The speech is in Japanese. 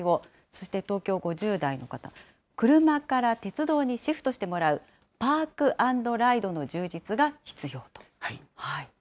そして東京５０代の方、車から鉄道にシフトしてもらう、パークアンドライドの充実が必要と。